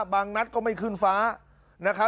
นัดก็ไม่ขึ้นฟ้า